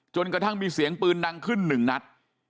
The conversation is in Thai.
กระทั่งมีเสียงปืนดังขึ้นหนึ่งนัด